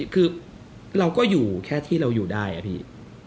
คือเราก็อยู่แค่ที่เราอยู่ได้อะพี่